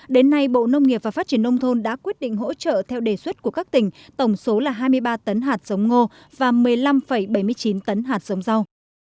đến nay bộ nông nghiệp và phát triển nông thôn đã quyết định hỗ trợ theo đề xuất của các tỉnh tổng số là hai mươi ba tấn hạt sống ngô và một mươi năm bảy mươi chín tấn hạt sống rau